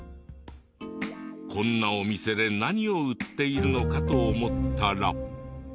こんなお店で何を売っているのかと思ったら。